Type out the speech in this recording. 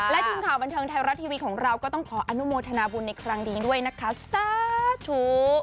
และทีมข่าวบันเทิงไทยรัฐทีวีของเราก็ต้องขออนุโมทนาบุญในครั้งนี้ด้วยนะคะสาธุ